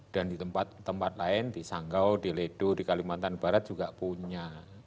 dan di tempat tempat lain di sanggau di ledoh di kalimantan barat juga punya